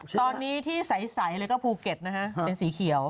ตอนนี้ที่ใสเลยก็ภูเก็ตนะฮะเป็นสีเขียว